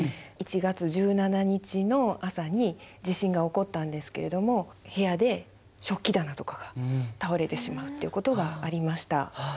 １月１７日の朝に地震が起こったんですけれども部屋で食器棚とかが倒れてしまうっていうことがありました。